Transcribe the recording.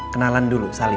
kenalan dulu salim